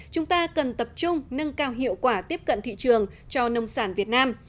chúng ta cần tập trung nâng cao hiệu quả tiếp cận thị trường cho nông sản việt nam